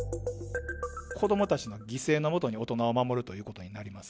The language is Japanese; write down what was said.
子どもたちの犠牲の下に大人を守るということになります。